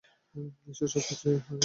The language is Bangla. ঈশ্বর, সবকিছু এখানে আলাদারকম।